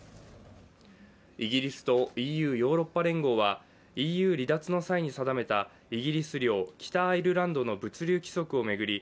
イギリスとＥＵ＝ヨーロッパ連合はＥＵ離脱の際に定めたイギリス領北アイルランドの物流規則を巡り